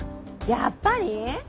やっぱり？